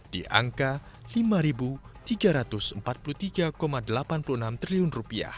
di angka rp lima tiga ratus empat puluh tiga delapan puluh enam triliun